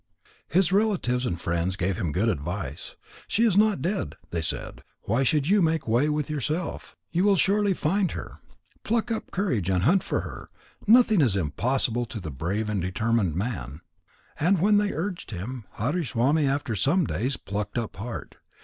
His relatives and friends gave him good advice. "She is not dead," they said. "Why should you make way with yourself? You will surely find her. Pluck up courage and hunt for her. Nothing is impossible to the brave and determined man." And when they urged him, Hariswami after some days plucked up heart.